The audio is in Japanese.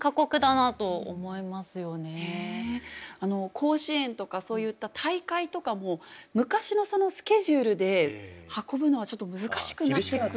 甲子園とかそういった大会とかも昔のスケジュールで運ぶのはちょっと難しくなってくる。